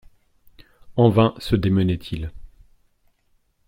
En vain se démenaient-ils.